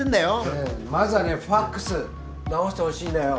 うんまずはねファクス直してほしいんだよ。